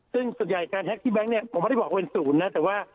ซึ่งส่วนใหญ่การแฮกที่แบงค์เนี้ยผมไม่ได้บอกว่าเป็นศูนย์นะ